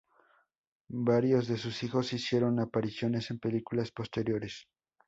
Varios de sus hijos hicieron apariciones en películas posteriores.